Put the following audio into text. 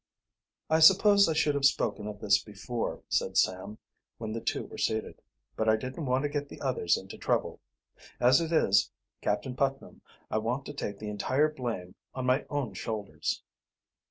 "I suppose I should have spoken of this before," said Sam, when the two were seated. "But I didn't want to get the others into trouble. As it is, Captain Putnam, I want to take the entire blame on my own shoulders."